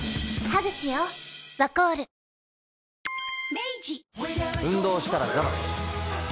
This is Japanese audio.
明治運動したらザバス。